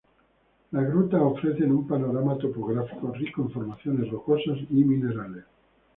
Las grutas ofrecen un panorama topográfico rico en formaciones rocosas y minerales.